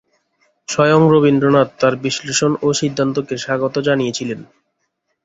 স্বয়ং রবীন্দ্রনাথ তার বিশ্লেষণ ও সিদ্ধান্তকে স্বাগত জানিয়েছিলেন।